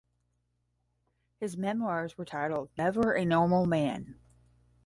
His memoirs were titled "Never a Normal Man".